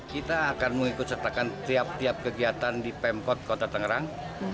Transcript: kita akan mengikut sertakan tiap tiap kegiatan di pemkot kota tangerang